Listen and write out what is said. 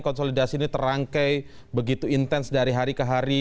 konsolidasi ini terangkai begitu intens dari hari ke hari